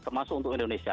termasuk untuk indonesia